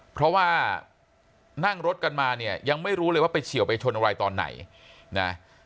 เพราะว่านั่งรถกันมาเนี่ยยังไม่รู้เลยว่าไปเฉียวไปชนอะไรตอนไหนนะ